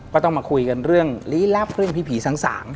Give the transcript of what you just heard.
ก็ต้องมาคุยกันเรื่องหลีลับเรื่องพี่ผีสังสาร